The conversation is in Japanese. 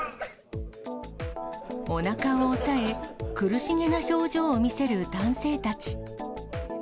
おなかを押さえ、苦しげな表情を見せる男性たち。